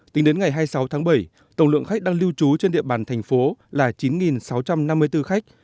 tính đến ngày hai mươi sáu tháng bảy tổng lượng khách đang lưu trú trên địa bàn thành phố là chín sáu trăm năm mươi bốn khách